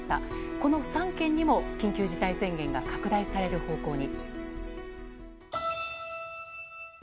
この３県にも緊急事態宣言が拡大される方向に。